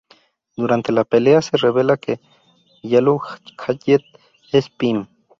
Durante la pelea, se revela que Yellowjacket es Pym.